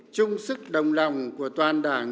chung sức đồng lòng của toàn đảng